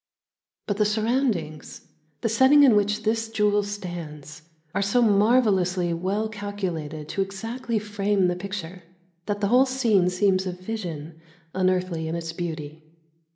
But the surroundings, the setting in which this jewel stands, are so marvellously well calculated to exactly frame the picture, that the whole scene seems a vision, unearthly in its beauty.